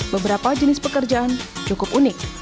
beberapa jenis pekerjaan cukup unik